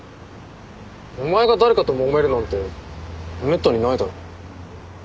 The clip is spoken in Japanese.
お前が誰かともめるなんてめったにないだろ。